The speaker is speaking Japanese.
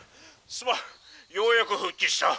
すまんようやく復帰した」。